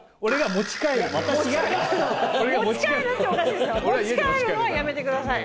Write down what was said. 持ち帰るのはやめてください。